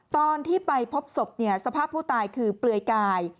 ตอนที่ไปพบศพเนี่ยสภาพผู้ตายคือเปลือยกาย